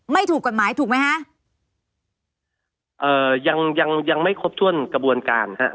ถูกกฎหมายถูกไหมฮะเอ่อยังยังยังไม่ครบถ้วนกระบวนการฮะ